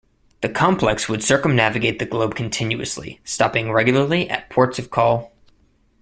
The complex would circumnavigate the globe continuously, stopping regularly at ports of call.